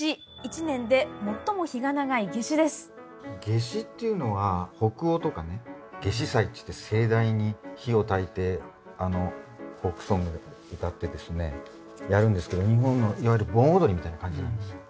夏至っていうのは北欧とかね夏至祭っていって盛大に火をたいてフォークソングでも歌ってですねやるんですけど日本のいわゆる盆踊りみたいな感じなんですよ。